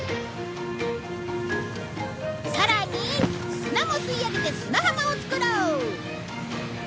さらに砂も吸い上げて砂浜を作ろう！